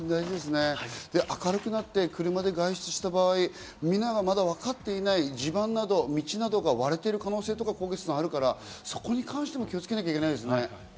明るくなって車で外出した場合、みんながまだ分かっていない地盤など、道などが割れてる可能性とかあるから、纐纈さん、そこに関しても気をつけなきゃいけないですね。